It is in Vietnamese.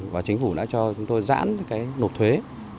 và chính phủ đã cho chúng tôi giãn cái nộp thuế